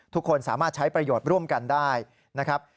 ทุกคนสามารถใช้ประโยชน์ร่วมกันได้นะครับ